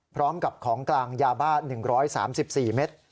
พร้อมกับของกลางยาบ้า๑๓๔เมตร